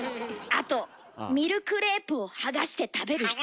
あとミルクレープを剥がして食べる人。